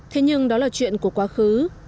thế nhưng đó là chuyện của quá khứ